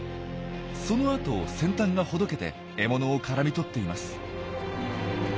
その後先端がほどけて獲物を絡みとっています。